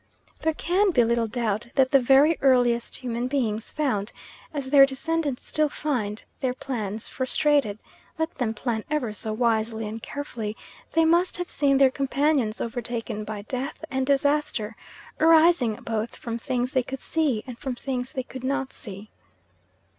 There can be little doubt that the very earliest human beings found, as their descendants still find, their plans frustrated, let them plan ever so wisely and carefully; they must have seen their companions overtaken by death and disaster, arising both from things they could see and from things they could not see.